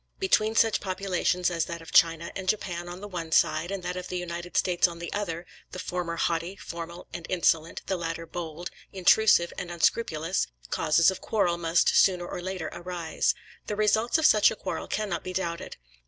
Between such populations as that of China and Japan on the one side, and that of the United States on the other the former haughty, formal, and insolent, the latter bold, intrusive, and unscrupulous causes of quarrel must, sooner or later, arise, The results of such a quarrel cannot be doubted.